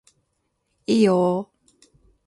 いいよー